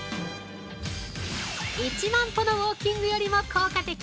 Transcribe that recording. ◆１万歩のウォーキングよりも効果的！